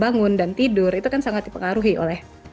bangun dan tidur itu kan sangat dipengaruhi oleh